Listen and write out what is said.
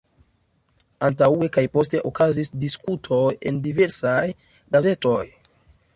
Antaŭe kaj poste okazis diskutoj en diversaj gazetoj.